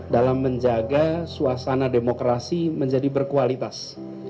dalam menjaga suasana demokrasi menjadi berkualitas